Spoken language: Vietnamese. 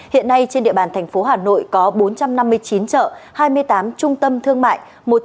hiện nay trên địa bàn thành phố hà nội có bốn trăm năm mươi chín chợ hai mươi tám trung tâm thương mại